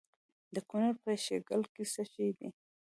د کونړ په شیګل کې څه شی شته؟